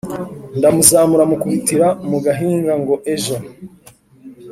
ndamuzamura mukubitira mu gahinga ngo ejo